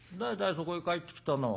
そこへ帰ってきたのは。